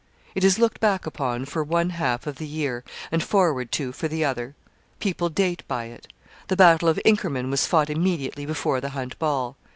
It is looked back upon for one half of the year, and forward to for the other. People date by it. The battle of Inkerman was fought immediately before the Hunt Ball.